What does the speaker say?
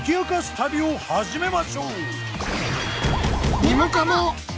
旅を始めましょう！